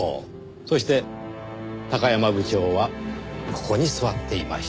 そして山部長はここに座っていました。